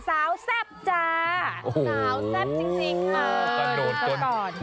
สาวแทรงตกสาวแทรงจริง